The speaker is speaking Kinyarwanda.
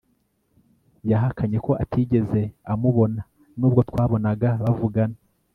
yahakanye ko atigeze amubona nubwo twabonaga bavugana